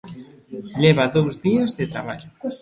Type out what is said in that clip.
Leva dous días de traballo.